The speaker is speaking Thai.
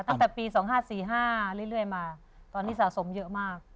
ตั้งแต่ปี๒๕๔๕เรื่อยมาตอนนี้สะสมเยอะมาก